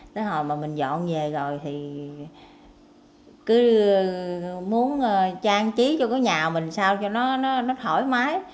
tới hồi mà mình dọn về rồi thì cứ muốn trang trí cho cái nhà mình sao cho nó thoải mái